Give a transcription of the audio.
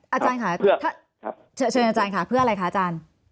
อาจารย์ค่ะเชิญอาจารย์ค่ะเพื่ออะไรคะอาจารย์